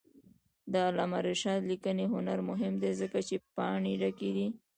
د علامه رشاد لیکنی هنر مهم دی ځکه چې پاڼې ډکې دي.